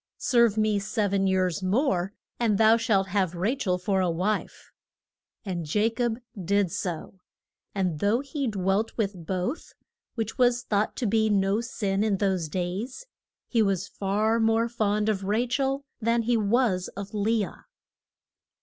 Serve me sev en years more, and thou shalt have Ra chel for a wife. And Ja cob did so, and though he dwelt with both which was thought to be no sin in those days he was far more fond of Ra chel than he was of Le ah.